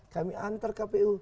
kami antar kpu